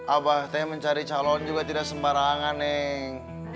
abah te mencari calon juga tidak sembarangan neng